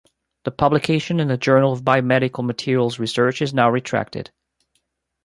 The publication in the Journal of Biomedical Materials Research is now retracted.